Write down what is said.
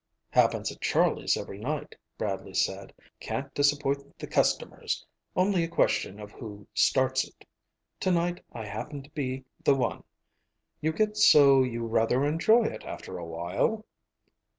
"Happens at Charlie's every night," Bradley said. "Can't disappoint the customers. Only a question of who starts it. Tonight I happened to be the one. You get so you rather enjoy it after a while."